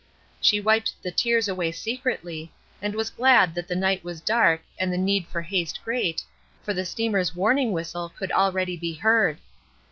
She wiped the tears away secretly, and was glad that the night was dark and the need for haste great, for the steamer's warning whistle could already be beard.